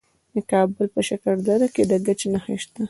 د کابل په شکردره کې د ګچ نښې شته.